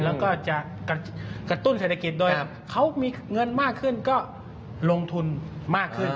แล้วก็จะกระตุ้นเศรษฐกิจโดยเขามีเงินมากขึ้นก็ลงทุนมากขึ้น